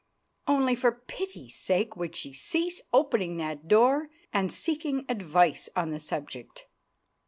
only, for pity's sake, would she cease opening that door and seeking advice on the subject.